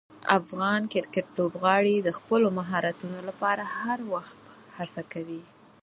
افغان کرکټ لوبغاړي د خپلو مهارتونو لپاره هر وخت هڅه کوي.